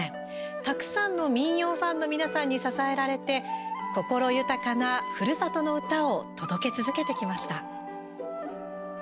たくさんの民謡ファンの皆さんに支えられて心豊かなふるさとの唄を届け続けてきました。